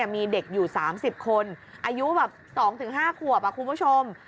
มีเด็กอยู่๓๐คนอายุแบบ๒๕ขวบคุณผู้ชม